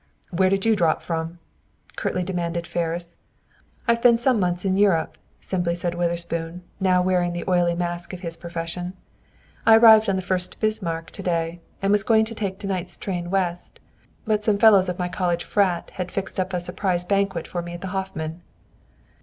"Where did you drop from?" curtly demanded Ferris. "I've been some months in Europe," simply said Witherspoon, now wearing the oily mask of his profession. "I arrived on the 'Fuerst Bismarck' to day, and was going to take to night's train West. But some fellows of my college 'frat' had fixed up a 'surprise banquet' for me at the Hoffman.